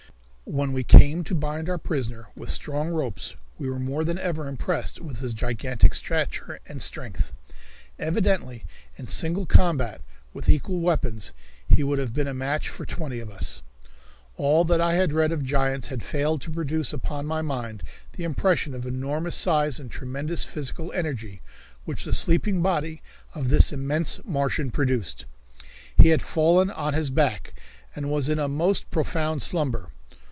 When we came to bind our prisoner with strong ropes we were more than ever impressed with his gigantic stature and strength. Evidently in single combat with equal weapons he would have been a match for twenty of us. All that I had read of giants had failed to produce upon my mind the impression of enormous size and tremendous physical energy which the sleeping body of this immense Martian produced. He had fallen on his back, and was in a most profound slumber.